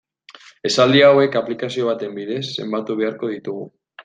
Esaldi hauek aplikazio baten bidez zenbatu beharko ditugu.